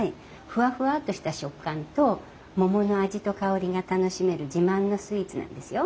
ふわふわっとした食感と桃の味と香りが楽しめる自慢のスイーツなんですよ。